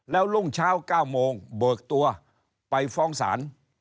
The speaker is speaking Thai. แล้วรุ่งเช้า๙โมงเบิกตัวไปฟ้องศาล